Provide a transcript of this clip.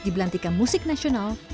di belantika musik nasional